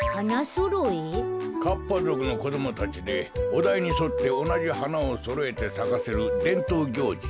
かっぱぞくのこどもたちでおだいにそっておなじはなをそろえてさかせるでんとうぎょうじじゃ。